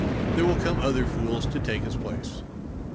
There will come other fools to take his place.